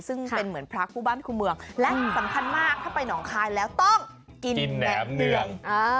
ซึ่งเป็นเหมือนพระคู่บ้านคู่เมืองและสำคัญมากถ้าไปหนองคายแล้วต้องกินแหนมเนือง